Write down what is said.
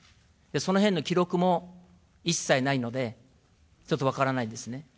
そのへんの記録も一切ないので、ちょっと分からないですね。